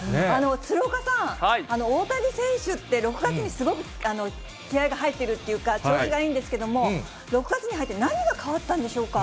鶴岡さん、大谷選手って、６月にすごく気合いが入っているというか、調子がいいんですけれども、６月に入って、何が変わったんでしょうか。